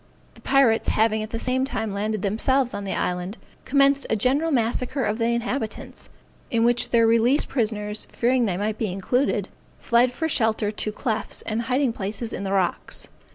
The pirates, having at the same time landed themselves on the island, commenced a general massacre of the inhabitants, in which their released prisoners, fearing they might be included, fled for shelter to clefts and hiding places in the rocks.